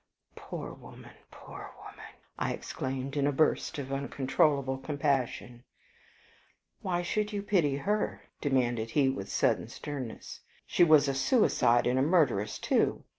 "Poor woman, poor woman!" I exclaimed, in a burst of uncontrollable compassion. "Why should you pity her?" demanded he with sudden sternness; "she WAS a suicide and a murderess too.